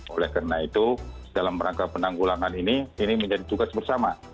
oleh karena itu dalam rangka penanggulangan ini ini menjadi tugas bersama